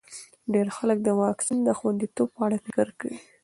ډېر خلک د واکسین د خونديتوب په اړه فکر کوي.